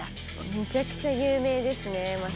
めちゃくちゃ有名ですね